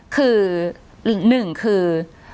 คือหนึ่งคือ